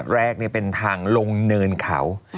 แรกเป็นทางลงเนินเขา